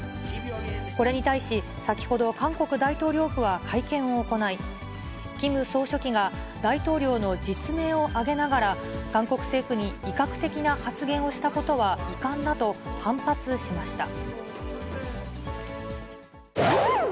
これに対し、先ほど、韓国大統領府は会見を行い、キム総書記が大統領の実名を挙げながら、韓国政府に威嚇的な発言をしたことは、遺憾だと反発しました。